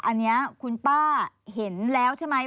อันนี้คุณป้าเห็นแล้วใช่ไหม